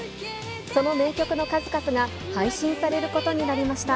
その名曲の数々が、配信されることになりました。